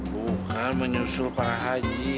bukan menyusul para haji